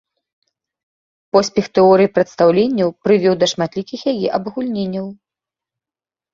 Поспех тэорыі прадстаўленняў прывёў да шматлікіх яе абагульненняў.